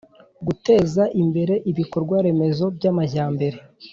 guteza imbere ibikorwa remezo by'amajyambere,